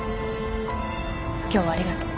今日はありがとう。